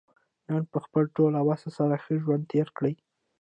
نن په خپل ټول وس سره ښه ژوند تېر کړه.